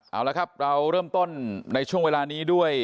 เอาละครับเราเริ่มต้นในช่วงเวลานี้ด้วย